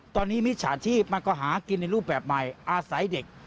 ตอนนี้มิจฉาชีพมันก็หากินในรูปแบบใหม่อาศัยเด็ก